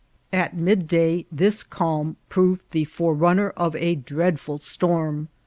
At midday this calm proved the forerunner of a dreadful storm.